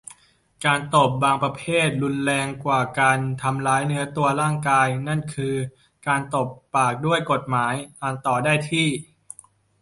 การตบบางประเภทรุนแรงกว่าการทำร้ายเนื้อตัวร่างกาย นั้นคือ การตบปากด้วยกฎหมาย อ่านต่อได้ที่